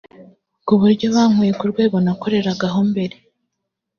ku buryo bankuye ku rwego nakoreragaho mbere